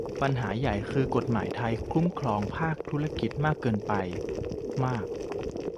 ปัญหาใหญ่คือกฏหมายไทยคุ้มครองภาคธุรกิจมากเกินไปมาก